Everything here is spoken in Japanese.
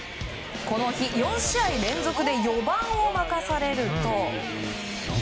この日４試合連続で４番を任されると。